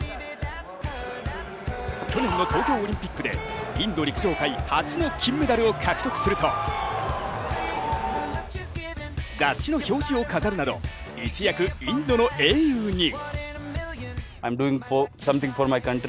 去年の東京オリンピックでインド陸上界初の金メダルを獲得すると雑誌の表紙を飾るなど、一躍インドの英雄に。